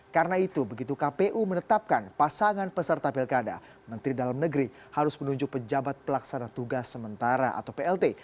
karena itu begitu kpu menetapkan pasangan peserta pilkada menteri dalam negeri harus menunjuk pejabat pelaksana tugas sementara atau plt